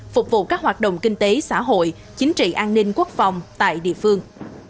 phục vụ các hoạt động kinh tế xã hội chính trị an ninh quốc phòng tại địa phương